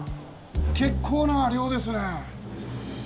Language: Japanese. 結構な量ですね。